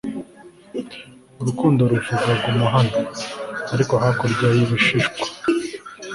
urukundo ruvuga guma hano ariko hakurya y'ibishishwa